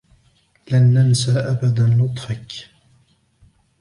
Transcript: لن ننسى أبدا لطفك.